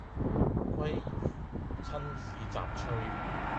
鮭魚親子雜炊